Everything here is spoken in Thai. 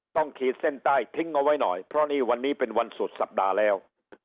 ขีดเส้นใต้ทิ้งเอาไว้หน่อยเพราะนี่วันนี้เป็นวันสุดสัปดาห์แล้ว